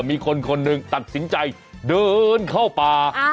มีคนคนหนึ่งตัดสินใจเดินเข้าป่า